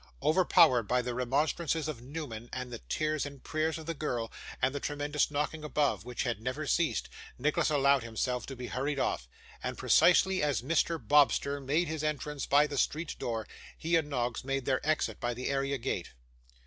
Overpowered by the remonstrances of Newman, and the tears and prayers of the girl, and the tremendous knocking above, which had never ceased, Nicholas allowed himself to be hurried off; and, precisely as Mr. Bobster made his entrance by the street door, he and Noggs made their exit by the area gate.